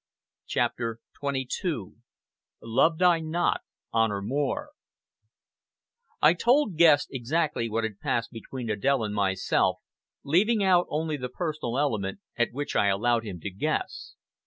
CHAPTER XXII "LOVED I NOT HONOR MORE" I told Guest exactly what had passed between Adèle and myself, leaving out only the personal element, at which I allowed him to guess.